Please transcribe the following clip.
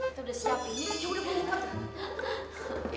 itu udah siapin ini juga udah biarin